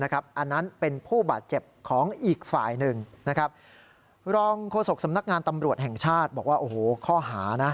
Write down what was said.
โฆษกสำนักงานตำรวจแห่งชาติบอกว่าโอ้โหข้อหานะ